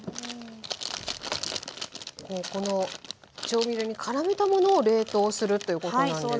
この調味料にからめたものを冷凍するということなんですね。